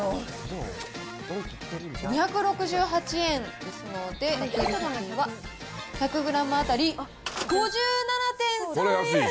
２６８円ですので、１００グラム当たり５７．３円。